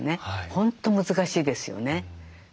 本当難しいですよね。